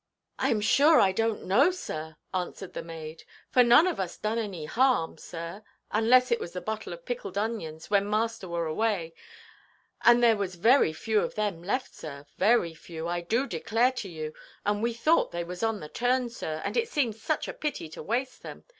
"I am sure I donʼt know, sir," answered the maid, "for none of us done any harm, sir; unless it was the bottle of pickled onions, when master were away, and there was very few of them left, sir, very few, I do declare to you, and we thought they was on the turn, sir, and it seemed such a pity to waste them.